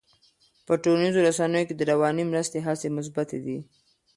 په ټولنیزو رسنیو کې د رواني مرستې هڅې مثبتې دي.